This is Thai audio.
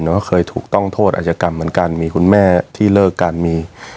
ก็เคยต้องโทษอาจกรรมเหมือนกันมีคุณแม่ที่เลิกกันมีความวุ่นวาย